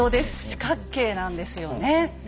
四角形なんですよね。